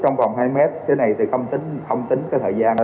trong vòng hai m cái này thì không tính thời gian